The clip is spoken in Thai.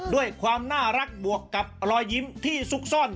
ด้วยความน่ารักบวกกับรอยยิ้มที่ซุกซ่อน